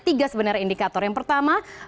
tiga sebenarnya indikator yang pertama